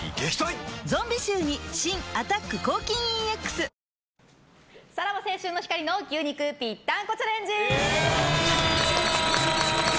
ゾンビ臭に新「アタック抗菌ＥＸ」さらば青春の光の牛肉ぴったんこチャレンジ。